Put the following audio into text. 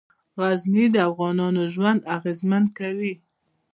غزني د افغانانو ژوند اغېزمن کوي.